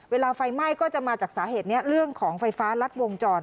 เวลาไฟไหม้ก็จะมาจากสาเหตุนี้เรื่องของไฟฟ้ารัดวงจร